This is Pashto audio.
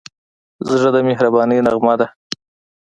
زړه د مهربانۍ نغمه ده.